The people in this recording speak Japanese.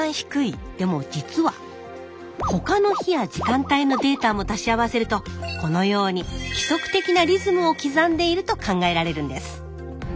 でも実は他の日や時間帯のデータも足し合わせるとこのように規則的なリズムを刻んでいると考えられるんです。